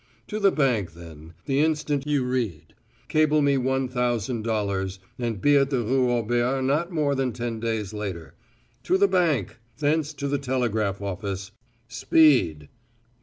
To the bank, then, the instant you read. Cable me one thousand dollars, and be at the Rue Auber not more than ten days later. To the bank! Thence to the telegraph office. Speed!